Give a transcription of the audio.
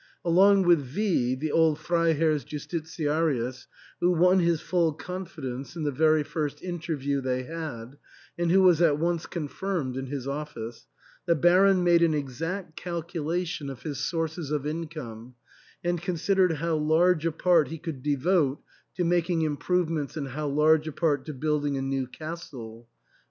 Along with V , the old Freiherr*s Justitiarius, who won his full confidence in the very first interview they had, and who was at once con firmed in his office, the Baron made an exact calcula tion of his sources of income, and considered how large a part he could devote to making improvements and how large a part to building a new castle.